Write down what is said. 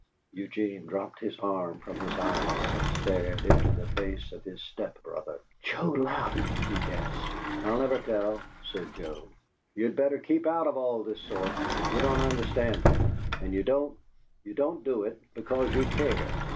Eugene dropped his arm from his eyes and stared into the face of his step brother. "Joe Louden!" he gasped. "I'll never tell," said Joe. "You'd better keep out of all this sort. You don't understand it, and you don't you don't do it because you care."